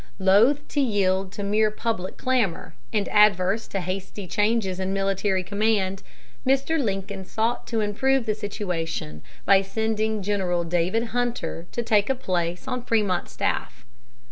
Loath to yield to mere public clamor, and averse to hasty changes in military command, Mr. Lincoln sought to improve the situation by sending General David Hunter to take a place on Frémont's staff.